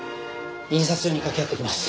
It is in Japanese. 印刷所に掛け合ってきます。